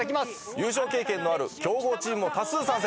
優勝経験のある強豪チームも多数参戦！